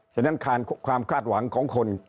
ฉะนั้นความคาดหวังของคน